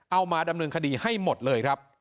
เอามาดำเนินคดีให้หมดเลยครับ